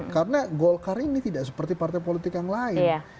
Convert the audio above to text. karena golkar ini tidak seperti partai politik yang lain